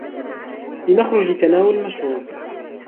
لنخرج لتناول مشروب.